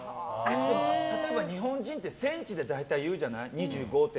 でも、例えば日本人ってセンチって言うじゃない？